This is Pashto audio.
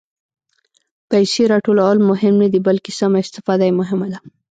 پېسې راټولول مهم نه دي، بلکې سمه استفاده یې مهمه ده.